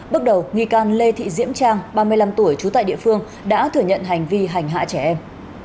bước đầu nghi can lê thị diễm trang ba mươi năm tuổi trú tại địa phương đã thừa nhận hành vi hành hạ trẻ em